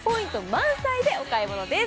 満載でお買い物です。